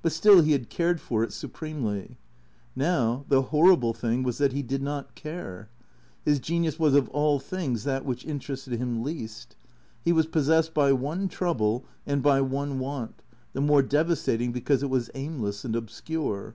But still he had cared for it supremely. Now, the horrible thing was that he did not care. His genius was of all things that which interested him least. He was possessed by one trouble and by one want, the more devastating because it was aimless and obscure.